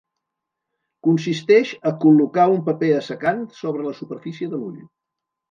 Consisteix a col·locar un paper assecant sobre la superfície de l'ull.